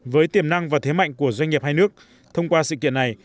với tiềm năng và thế mạnh của doanh nghiệp hai nước thông qua sự kiện này